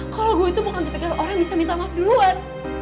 kalau gue tuh bukan tipe kali orang yang bisa minta maaf duluan